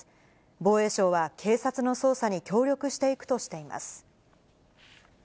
防衛省は警察の捜査に協力していくとしています。